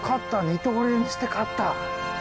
二刀流にして勝った！